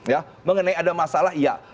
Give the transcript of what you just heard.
ya mengenai ada masalah iya